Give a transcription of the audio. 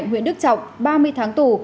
ngành huyện đức trọng ba mươi tháng tù